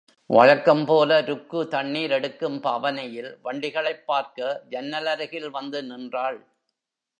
வழக்கம்போல ருக்கு தண்ணீர் எடுக்கும் பாவனையில் வண்டிகளைப் பார்க்க ஜன்னலருகில் வந்து நின்றாள்.